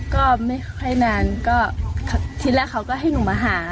ก็ไม่ค่อยนานก็ทีแรกเขาก็ให้หนูมาหา